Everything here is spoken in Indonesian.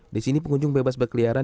di sini pengunjung bebas berkeliaran